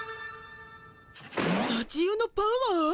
さちよのパワー？